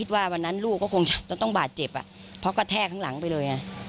ว่าวันนั้นลูกก็คงจะต้องบาดเจ็บเพราะกระแทกข้างหลังไปเลย